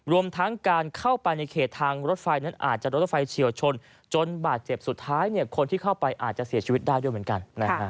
รวมทั้งการเข้าไปในเขตทางรถไฟนั้นอาจจะรถไฟเฉียวชนจนบาดเจ็บสุดท้ายคนที่เข้าไปอาจจะเสียชีวิตได้ด้วยเหมือนกัน